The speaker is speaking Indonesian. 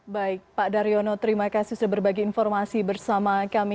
baik pak daryono terima kasih sudah berbagi informasi bersama kami